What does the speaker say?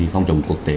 không trọng quốc tế